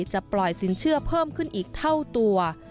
จะปล่อยสินเชื่อเพิ่มขึ้นอีกเท่าตัว